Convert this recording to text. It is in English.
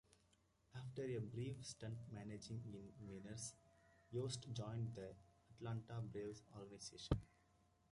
After a brief stint managing in the minors, Yost joined the Atlanta Braves organization.